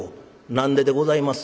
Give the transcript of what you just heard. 「何ででございます？」。